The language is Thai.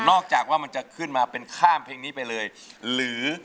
จากว่ามันจะขึ้นมาเป็นข้ามเพลงนี้ไปเลยหรือ